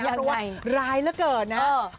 ว่าร้ายเหลือเกินนะ